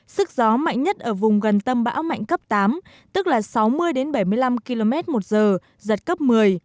sức gió mạnh nhất ở vùng gần tâm bão mạnh cấp tám tức là sáu mươi bảy mươi năm km một giờ giật cấp một mươi